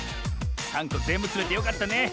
３こぜんぶつめてよかったね。